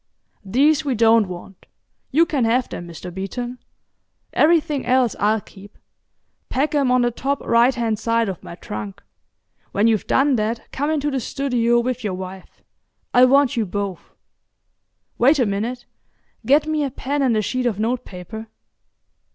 "These we don't want; you can have them, Mr. Beeton. Everything else I'll keep. Pack 'em on the top right hand side of my trunk. When you've done that come into the studio with your wife. I want you both. Wait a minute; get me a pen and a sheet of notepaper."